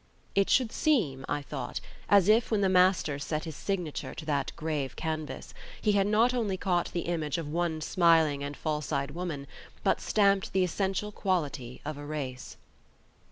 It should seem, I thought, as if when the master set his signature to that grave canvas, he had not only caught the image of one smiling and false eyed woman, but stamped the essential quality of a race.